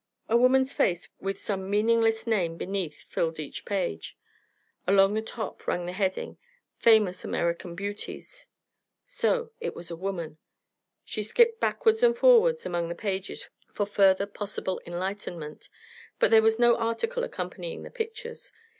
A woman's face with some meaningless name beneath filled each page. Along the top ran the heading, "Famous American Beauties." So it was a woman! She skipped backward and forward among the pages for further possible enlightenment, but there was no article accompanying the pictures.